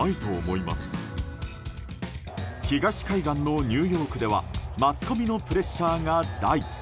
東海岸のニューヨークではマスコミのプレッシャーが大。